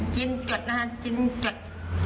จิ้นจัดนะฮะจิ้นจัด